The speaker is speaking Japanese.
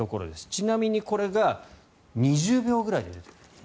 ちなみに、これが２０秒ぐらいで出てくる。